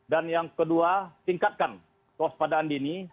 dan yang kedua tingkatkan kos padaan dini